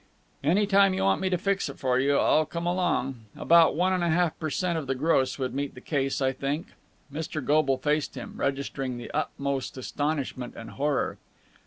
"Any time you want me to fix it for you, I'll come along. About one and a half per cent of the gross would meet the case, I think." Mr. Goble faced him, registering the utmost astonishment and horror.